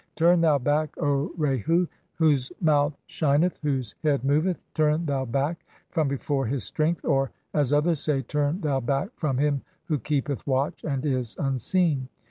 (i33) "Turn thou back, O Rehu, whose mouth shineth, whose "head moveth, turn thou back from before his strength", or (as others say), "Turn thou back from him who keepeth (134) watch "and is unseen."